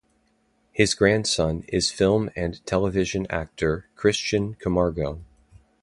His grandson is film and television actor Christian Camargo.